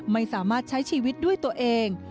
ไม่สามารถใช้ชีวิตด้วยตัวเอง